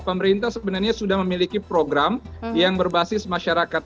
pemerintah sebenarnya sudah memiliki program yang berbasis masyarakat